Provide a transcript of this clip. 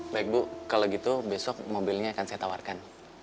baik bu kalau gitu besok mobilnya akan saya tawarkan